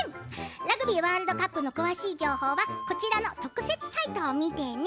ラグビーワールドカップの詳しい情報は特設サイトを見てね。